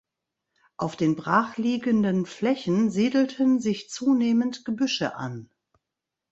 Auf den brachliegenden Flächen siedelten sich zunehmend Gebüsche an.